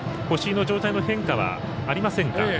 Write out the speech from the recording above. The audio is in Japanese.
越井の状態の変化はありませんか。